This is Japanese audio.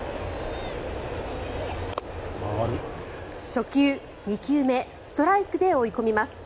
初球、２球目ストライクで追い込みます。